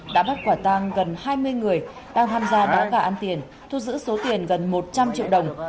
đã bắt quả tang gần hai mươi người đang tham gia đá gà ăn tiền thu giữ số tiền gần một trăm linh triệu đồng